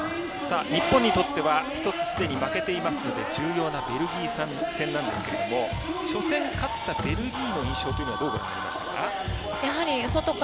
日本にとってはもう１つ負けていますので重要なベルギー戦なんですけど初戦勝ったベルギーの印象はどうご覧になりましたか？